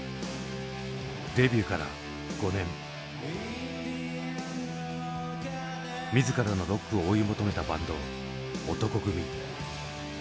デビューから５年自らのロックを追い求めたバンド男闘呼組。